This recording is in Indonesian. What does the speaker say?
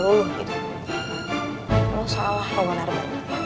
kok sih ini mati